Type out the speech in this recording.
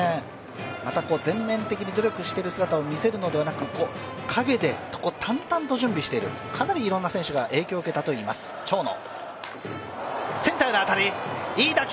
全面的に努力している姿を見せるのではなく、影で淡々と準備している、かなりいろんな選手が影響を受けたといいます、長野。